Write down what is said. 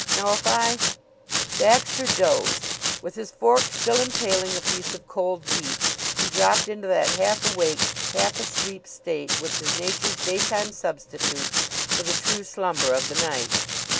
Now if I " Baxter dozed. With his fork still impaling a piece of cold beef, he dropped into that half awake, half asleep state which is Nature's daytime substitute for the true slumber of the night.